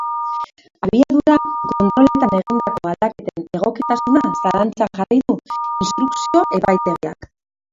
Abiadura kontroletan egindako aldaketen egokitasuna zalantzan jarri du instrukzio epaitegiak.